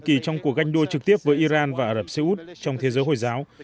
kỳ trong cuộc ganh đua trực tiếp với iran và ả rập xê út trong thế giới hồi giáo